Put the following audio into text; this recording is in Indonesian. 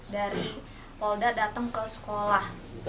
dari polda datang ke sekolah